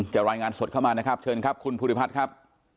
รายงานสดเข้ามานะครับเชิญครับคุณภูริพัฒน์ครับ